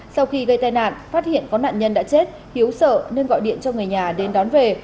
sau khi gây tai nạn phát hiện có nạn nhân đã chết hiếu sợ nên gọi điện cho người nhà đến đón về